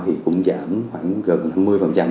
thì cũng giảm gần năm mươi